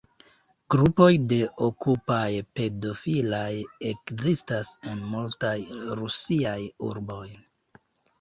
Grupoj de "Okupaj-pedofilaj" ekzistas en multaj rusiaj urboj.